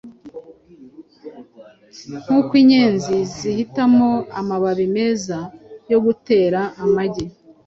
Nkuko inyenzi zihitamo amababi meza yo gutera amagi,